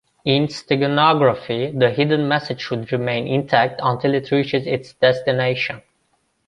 In steganography, the hidden message should remain intact until it reaches its destination.